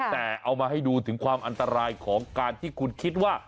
แต่เอามาให้ดูถึงความอันตรายของการที่คุณคิดว่า